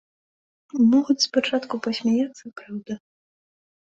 Могуць спачатку пасмяяцца, праўда.